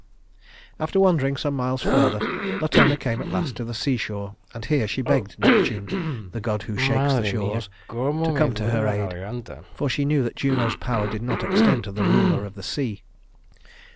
After wandering some miles further Latona came at last to the seashore and here she begged Neptune, "the god who shakes the shores," to come to her aid, for she knew that Juno's power did not extend to the ruler of the sea.